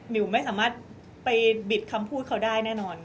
มิวไม่สามารถไปบิดคำพูดเขาได้แน่นอน